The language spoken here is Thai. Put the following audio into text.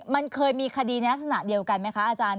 มันเคยมีคดีในลักษณะเดียวกันไหมคะอาจารย์